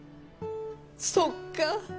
そっか。